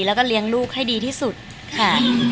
แล้วก็เลี้ยงลูกให้ดีที่สุดค่ะ